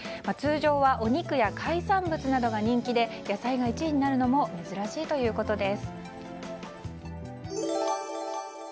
通常、お肉や海産物などが人気で野菜が１位になるのも珍しいということです。